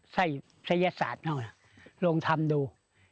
ไส้ยัตริย์ศาสตร์นั่นลงทำดู